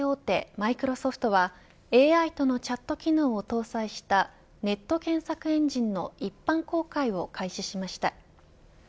マイクロソフトはＡＩとのチャット機能を搭載したネット検索エンジンの一般公開を開始しました。